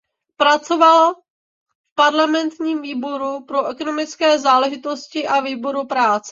Pracoval v parlamentním výboru pro ekonomické záležitosti a výboru práce.